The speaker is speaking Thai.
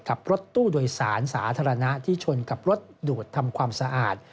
กับรถตู้โดยสารสาธารณะที่ชนกับรถดูดทำความสะอาด